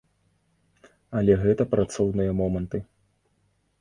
Але гэта працоўныя моманты.